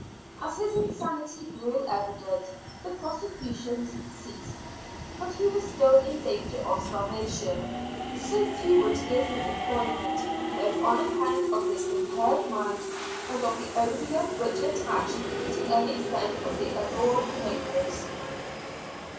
As his insanity grew evident, the prosecutions ceased; but he was still in danger of starvation, so few would give him employment, both on account of his impaired mind, and of the odium which attached to any friend of the abhorred Quakers.